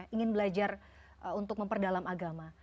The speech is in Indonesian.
ingin belajar untuk memperdalam agama